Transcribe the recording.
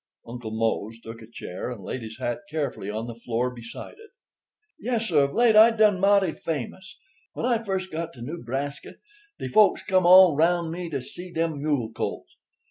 Uncle Mose took a chair and laid his hat carefully on the floor beside it. "Yessir; of late I done mouty famous. When I first got to Newbraska, dey folks come all roun' me to see dem mule colts.